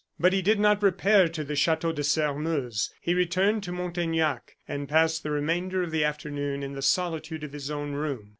But he did not repair to the Chateau de Sairmeuse; he returned to Montaignac, and passed the remainder of the afternoon in the solitude of his own room.